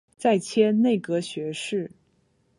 再迁内阁学士。